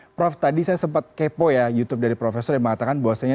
prof tadi saya sempat kepo ya youtube dari profesor yang mengatakan bahwasannya